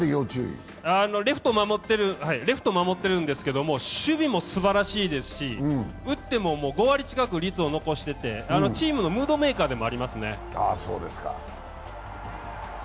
レフトを守ってるんですけども守備もすばらしいですし打っても５割近く率を残していてチームのムードメーカーでもありますね。